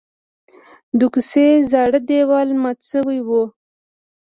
د کوڅې زاړه دیوال مات شوی و.